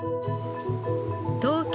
東京